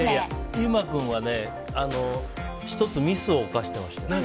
優馬君は１つミスを犯してました。